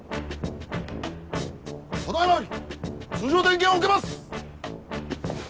ただ今より通常点検を受けます！